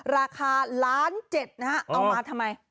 ราคา๑๗๐๐๐บาทนะฮะเอามาทำไม